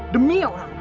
demi orang lain